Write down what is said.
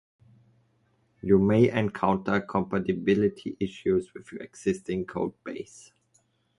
You may encounter compatibility issues with your existing codebase.